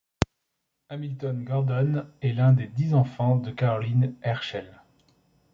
Hamilton-Gordon est l'un des dix enfants de Caroline Herschel.